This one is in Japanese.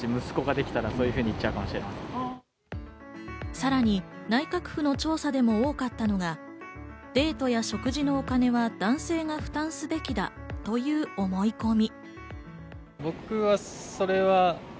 さらに内閣府の調査でも多かったのがデートや食事のお金は男性が負担すべきだという思い込み。